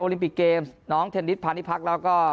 โอลิปิกเกมส์น้องเทนนิสพันธุ์ที่พักแล้วก็